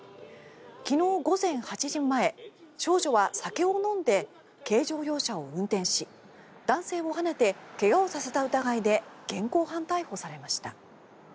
昨日午前８時前少女は酒を飲んで軽乗用車を運転し男性をはねて怪我をさせた疑いで現行犯逮捕されました。